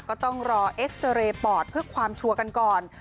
ก็ต้องรอเอ็กซาเรย์ปอดเพื่อความชัวร์กันก่อน